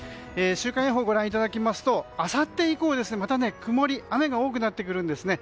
週間予報をご覧いただきますとあさって以降はまた、曇り、雨が多くなってくるんですね。